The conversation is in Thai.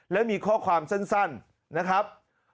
และมีข้อความสั้นนะครับ